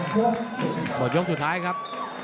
หมดยกสุดท้ายครับ